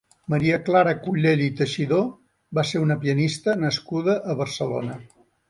Maria Clara Cullell i Teixidó va ser una pianista nascuda a Barcelona.